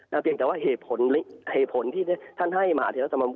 น่าเปลี่ยนแต่ว่าเหตุผลที่ท่านให้มหาเทลสมาคม